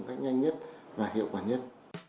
cách nhanh nhất và hiệu quả nhất